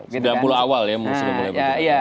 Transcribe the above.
sembilan puluh awal ya musuhnya mulai berguna